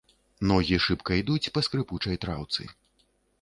Ногі шыбка ідуць па скрыпучай траўцы.